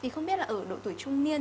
không biết ở độ tuổi trung niên